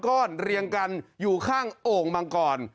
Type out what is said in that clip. ก้อนเรียงกันอยู่ข้างโอ่งมังกร